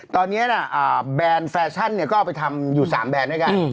ตอนนี้แบรนด์แฟชั่นก็เอาไปทำอยู่๓แบรนด์ด้วยกัน